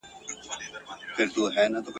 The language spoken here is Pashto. برتانیه د خپل ویاړ خبري کوي.